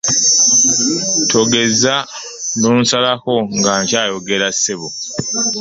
Togeza n'onsalako nga nkyayogera ssebo.